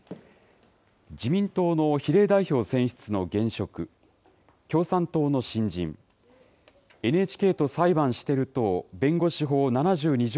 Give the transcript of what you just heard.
自民党の比例代表選出の現職、共産党の新人、ＮＨＫと裁判してる党弁護士法７２条